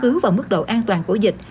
căn cứ vào mức độ an toàn của dịch